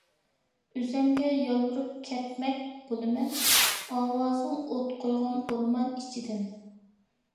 ئۆزۈمگە يالۋۇرۇپ كەتمەك بولىمەن، ئاۋازىڭ ئوت قويغان ئورمان ئىچىدىن.